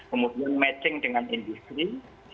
kemudian matching dengan industri